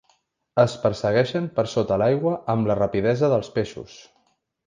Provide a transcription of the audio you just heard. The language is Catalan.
Es persegueixen per sota l'aigua amb la rapidesa dels peixos.